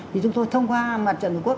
thì chúng tôi thông qua mặt trận quốc